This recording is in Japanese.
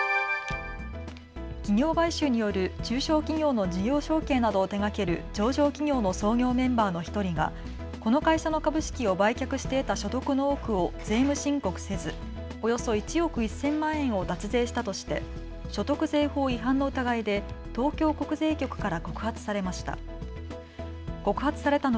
企業買収による中小企業の事業承継などを手がける上場企業の創業メンバーの１人がこの会社の株式を売却して得た所得の多くを税務申告せずおよそ１億１０００万円を脱税したとして所得税法違反の疑いで東京国税局から告発されました。